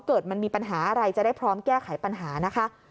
เกิดมันมีปัญหาอะไรจะได้พร้อมแก้ไขปัญหานะคะ